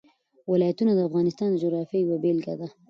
ولایتونه د افغانستان د جغرافیې یوه بېلګه ده.